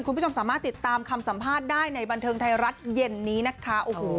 คุณผู้ชมสามารถติดตามคำสัมภาษณ์ได้ในบันเทิงไทยรัฐเย็นนี้นะคะโอ้โห